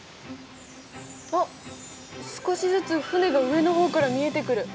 あっ少しずつ船が上の方から見えてくる。